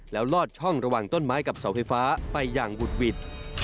แล้วลอดช่องระหว่างต้นไม้กับเสาไฟฟ้าไปอย่างบุดหวิด